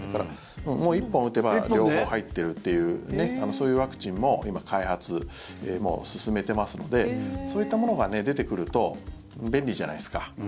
もう、１本打てば両方入ってるっていうそういうワクチンも今、開発をもう進めてますのでそういったものが出てくると便利じゃないですか。